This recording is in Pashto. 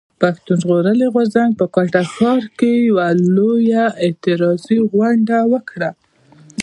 پښتون ژغورني غورځنګ په کوټه ښار کښي يوه لويه اعتراضي غونډه وکړه.